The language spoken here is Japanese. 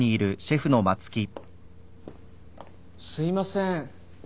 すいません。